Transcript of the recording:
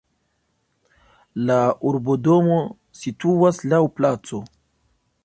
La urbodomo situas laŭ placo.